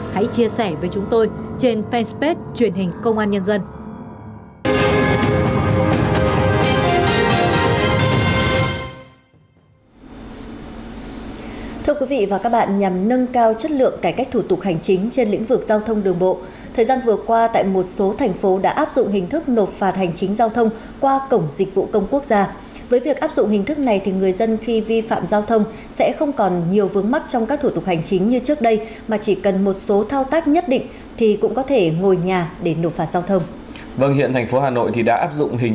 hãy chia sẻ với chúng tôi trên fan space truyền hình công an nhân dân